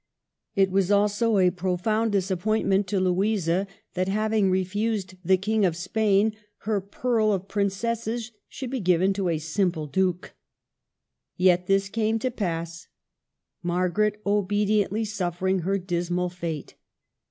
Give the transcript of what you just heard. It was also a profound disappointment to Louisa that, having refused the King of Spain, her pearl of princesses should be given to a simple duke. Yet this came to pass, — Margaret obe diently suffering her dismal fate.